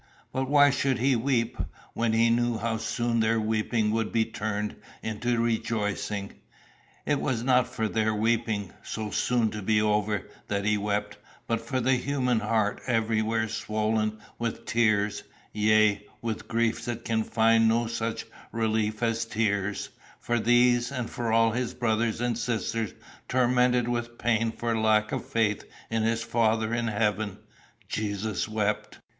But why should he weep, when he knew how soon their weeping would be turned into rejoicing? It was not for their weeping, so soon to be over, that he wept, but for the human heart everywhere swollen with tears, yea, with griefs that can find no such relief as tears; for these, and for all his brothers and sisters tormented with pain for lack of faith in his Father in heaven, Jesus wept.